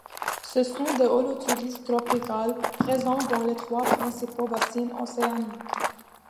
Ce sont des holothuries tropicales, présentes dans les trois principaux bassins océaniques.